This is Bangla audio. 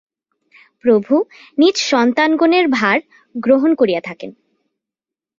প্রভু নিজ সন্তানগণের ভার গ্রহণ করিয়া থাকেন।